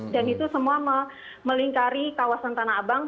itu semua melingkari kawasan tanah abang